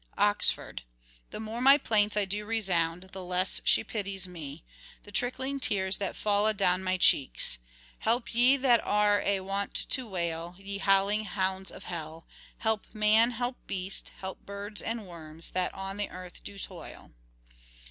Oxford :" The more my plaints I do resound The less she pities me." " The trickling tears that fall adown my cheeks." " Help ye that are aye wont to wail, Ye howling hounds of hell. Help man, help beast, help birds and worms That on the earth do toil."